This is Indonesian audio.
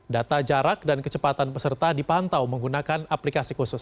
data jarak dan kecepatan peserta dipantau menggunakan aplikasi khusus